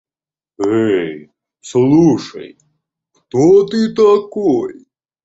Эй слушай кто ты такой!